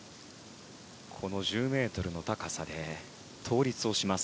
この１０ｍの高さで倒立をします。